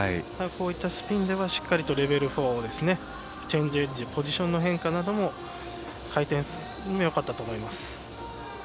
こういったスピンでは、しっかりとレベル４のチェンジエッジ、ポジションの変化なども回転数もよかったと思います。